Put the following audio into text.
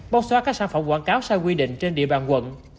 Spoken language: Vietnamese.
bóc xóa các sản phẩm quảng cáo sai quy định trên địa bàn quận